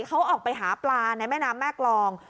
เขาออกไปหาปลาในแม่น้ำแม่กรอง